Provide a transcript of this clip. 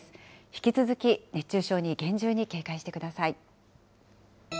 引き続き熱中症に厳重に警戒してください。